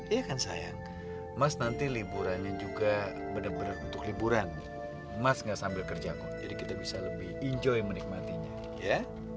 iya kan sayang mas nanti liburan yang juga bener bener untuk liburan mas nggak sambil kerjaku jadi kita bisa lebih enjoy menikmatinya ya